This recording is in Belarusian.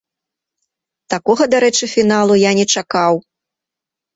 Такога дарэчы фіналу я не чакаў.